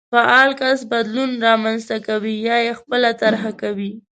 فعال کس بدلون رامنځته کوي يا يې خپله طرحه کوي.